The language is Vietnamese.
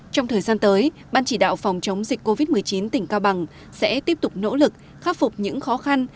trong thời gian tới ban chỉ đạo phòng chống dịch covid một mươi chín tỉnh cao bằng sẽ tiếp tục nỗ lực khắc phục những khó khăn